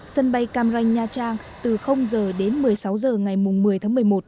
sân bay cam ranh nha trang từ h đến một mươi sáu h ngày một mươi tháng một mươi một